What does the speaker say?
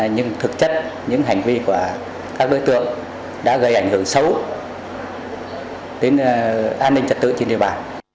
nhưng thực chất những hành vi của các đối tượng đã gây ảnh hưởng xấu đến an ninh trật tự trên địa bàn